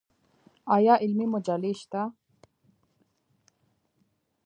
آیا علمي مجلې شته؟